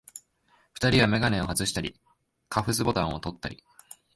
二人はめがねをはずしたり、カフスボタンをとったり、